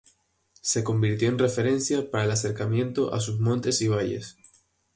Se convirtió en referencia para el acercamiento a sus montes y valles.